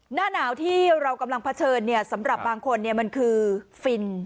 หน้าหนาวที่เรากำลังเผชิญสำหรับบางคนมันคือฟิน